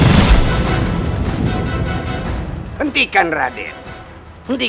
hakim mengenal aquilo manusia